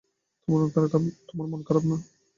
তোমার মন খারাপ না।